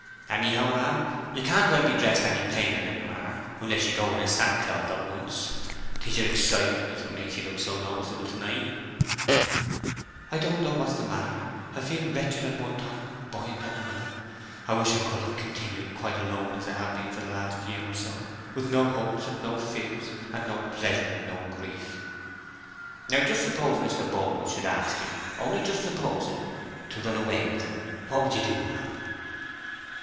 "Anyhow, ma'am, you can't well be dressed plainer than you are, unless you go in sackcloth at once. 'Tis your excitement is what makes you look so noticeable to night." "I don't know what's the matter, I feel wretched at one time, and buoyant at another. I wish I could have continued quite alone as I have been for the last year or so, with no hopes and no fears, and no pleasure and no grief." "Now just suppose Mr. Boldwood should ask you—only just suppose it—to run away with him, what would you do, ma'am?"